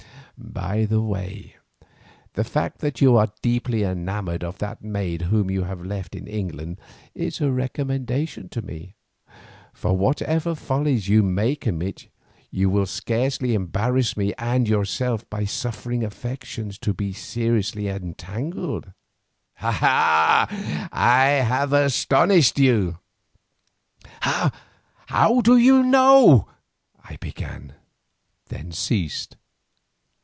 By the way, the fact that you are deeply enamoured of that maid whom you have left in England is a recommendation to me, for whatever follies you may commit, you will scarcely embarrass me and yourself by suffering your affections to be seriously entangled. Ah! have I astonished you?" "How do you know?" I began—then ceased.